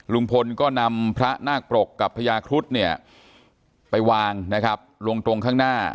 ลุงพลก็นำพระนาคปรกกับพญาครุฑเนี่ยไปวางนะครับลงตรงข้างหน้า